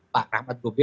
pak rahmat gobe